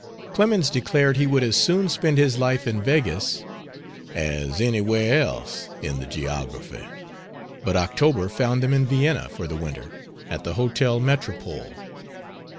Clemens declared he would as soon spend his life in Weggis "as anywhere else in the geography," but October found them in Vienna for the winter, at the Hotel Metropole.